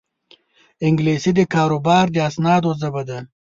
انګلیسي د کاروبار د اسنادو ژبه ده